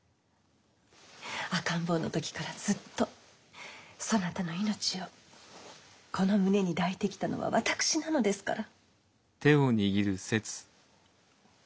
赤ん坊の時からずっとそなたの命をこの胸に抱いてきたのは私なのですから。